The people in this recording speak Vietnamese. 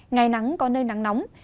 ngày nắng có nơi nắng nóng